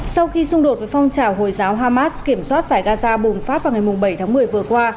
sau khi xung đột với phong trào hồi giáo hamas kiểm soát giải gaza bùng phát vào ngày bảy tháng một mươi vừa qua